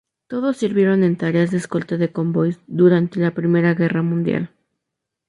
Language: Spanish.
Todos sirvieron en tareas de escolta de convoyes durante la Primera Guerra Mundial.